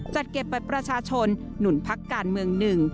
จัดเก็บบัตรประชาชนหนุนพักการเมืองหนึ่ง